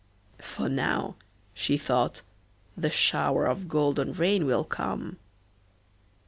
'For now,' she thought, 'the shower of golden rain will come.